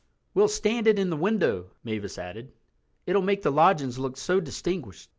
"We'll stand it in the window," Mavis added: "it'll make the lodgings look so distinguished."